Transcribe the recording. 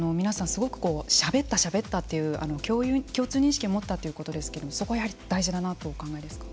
すごくしゃべったしゃべったという共通認識を持ったということですけれどもそこは大事だなとお考えですか。